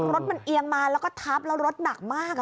รถมันเอียงมาแล้วก็ทับแล้วรถหนักมาก